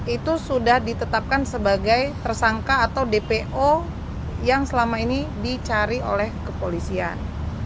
itu sudah ditetapkan sebagai tersangka atau dpo yang selama ini dicari oleh kepolisian